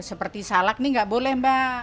seperti salak ini nggak boleh mbak